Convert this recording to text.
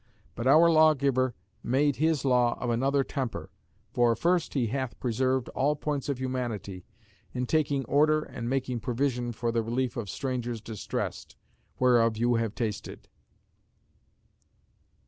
But our lawgiver made his law of another temper. For first, he hath preserved all points of humanity, in taking order and making provision for the relief of strangers distressed; whereof you have tasted."